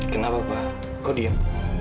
kenapa pak kok diam